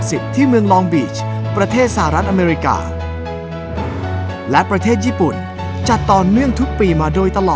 สนุนโดยสถาบันความงามโย